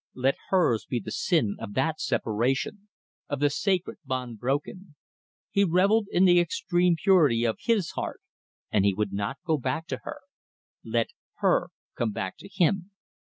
Let hers be the sin of that separation; of the sacred bond broken. He revelled in the extreme purity of his heart, and he would not go back to her. Let her come back to him.